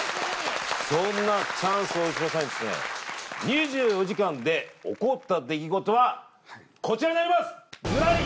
そんなチャンス大城さんにですね２４時間で起こった出来事はこちらになりますずらり！